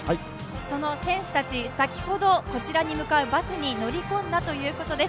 その選手たち、先ほどこちらへ向かうバスに乗り込んだということです。